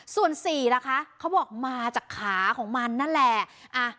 ส่วน๔ล่ะคะเขาบอกมาจากขาของมันนั่นแหละ